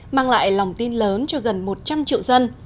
mang lại lòng tin lớn cho gần một trăm linh triệu dân